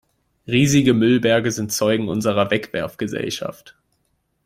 Riesige Müllberge sind Zeugen unserer Wegwerfgesellschaft.